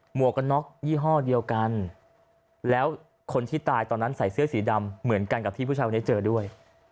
วกกันน็อกยี่ห้อเดียวกันแล้วคนที่ตายตอนนั้นใส่เสื้อสีดำเหมือนกันกับที่ผู้ชายคนนี้เจอด้วย